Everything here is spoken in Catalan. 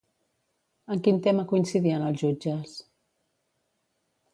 En quin tema coincidien els jutges?